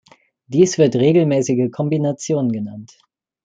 Dies wird regelmäßige Kombination genannt.